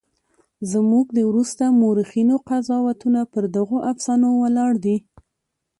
زموږ د وروسته مورخینو قضاوتونه پر دغو افسانو ولاړ دي.